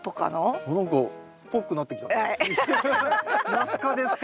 ナス科ですか？